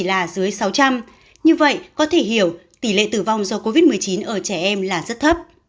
là dưới sáu trăm linh như vậy có thể hiểu tỷ lệ tử vong do covid một mươi chín ở trẻ em là rất thấp